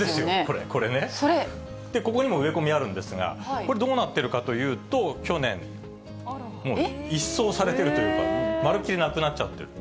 ここにも植え込みあるんですが、これどうなってるかというと、去年、もう一掃されているというか、まるっきりなくなっちゃってる。